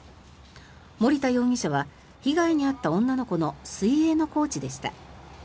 森田容疑者は被害に遭った女の子の水泳のコーチでした。